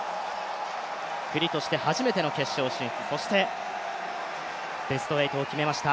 国として初めての決勝進出、そしてベスト８を決めました。